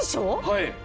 はい。